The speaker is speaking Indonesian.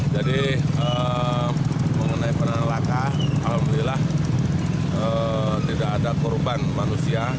jadi mengenai penanelaka alhamdulillah tidak ada korban manusia